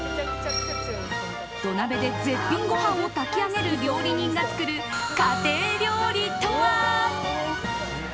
土鍋で絶品ご飯を炊き上げる料理人が作る家庭料理とは？